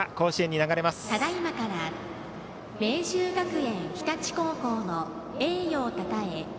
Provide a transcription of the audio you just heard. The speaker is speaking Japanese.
ただいまから明秀学園日立高校の栄誉をたたえ